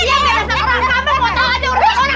iya biasa orang sampe mau tau ada urusan orang